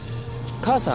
母さん。